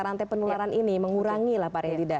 dan juga menjaga penularan ini mengurangi lapar yang dida